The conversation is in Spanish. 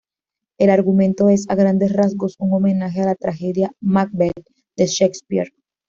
El argumento es a grandes rasgos un homenaje a la tragedia "Macbeth" de Shakespeare.